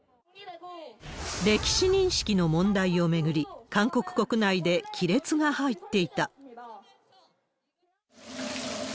歴史認識の問題を巡り、韓国国内で亀裂が入っていた。